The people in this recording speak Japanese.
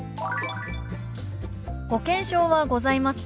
「保険証はございますか？」。